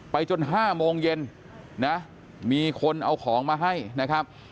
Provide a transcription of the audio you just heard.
จน๕โมงเย็นนะมีคนเอาของมาให้นะครับ